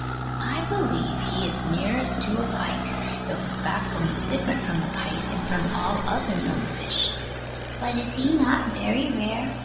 I believe he is nearest to a pike, though his backbone is different from a pike, and from all other known fishes. But is he not very rare?